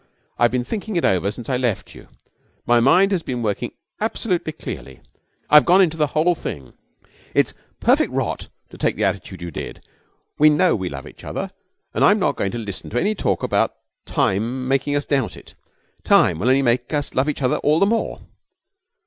I've been thinking it over since I left you. My mind has been working absolutely clearly. I've gone into the whole thing. It's perfect rot to take the attitude you did. We know we love each other, and I'm not going to listen to any talk about time making us doubt it. Time will only make us love each other all the more.'